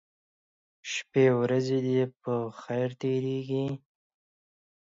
شپې ورځې به دې په خیر تیریږي